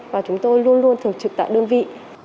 và chúng tôi luôn luôn thường trực tại đơn vị